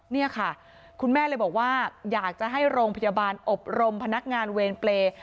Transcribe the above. นี่ค่ะคุณแม่เลยบอกว่าอยากจะให้โรงพยาบาลอบรมพนักงานเวรเปรย์